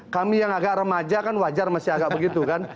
kami yang agak remaja kan wajar masih agak begitu kan